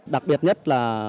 đặc biệt nhất là